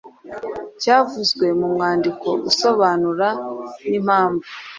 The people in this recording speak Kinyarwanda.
cyavuzwe mu mwandiko usobanure n’impamvu.